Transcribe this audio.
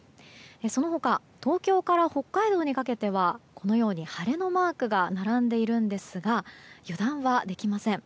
その他東京から北海道にかけてはこのように晴れのマークが並んでいるんですが油断はできません。